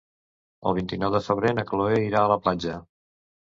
El vint-i-nou de febrer na Cloè irà a la platja.